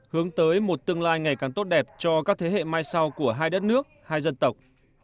hướng tới một tương lai ngày càng tốt đẹp cho các thế hệ mai sau của hai đất nước hai dân tộc